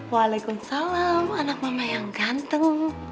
waalaikumsalam anak mama yang gantung